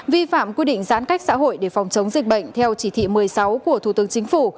vi phạm quy định giãn cách xã hội để phòng chống dịch bệnh theo chỉ thị một mươi sáu của thủ tướng chính phủ